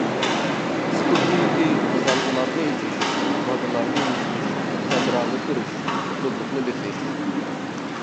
خۇسۇسىيىتى توسالغۇلارنى ئېچىش، ماددىلارنى يۇمشىتىش، سەپرانى سۈرۈش، ئۇسسۇزلۇقنى بېسىش.